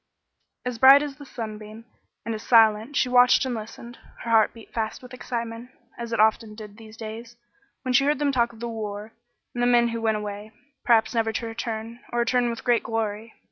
As bright as the sunbeam, and as silent, she watched and listened. Her heart beat fast with excitement, as it often did these days, when she heard them talk of the war and the men who went away, perhaps never to return, or to return with great glory.